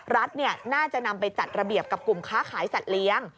รัฐน่าจะนำไปจัดระเบียบกับกลุ่มค้าขายสัตว์เลี้ยง